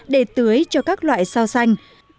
để tưới cho các loại rau xanh